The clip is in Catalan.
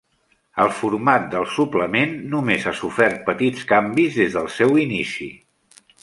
El format del suplement només ha sofert petits canvis des del seu inici.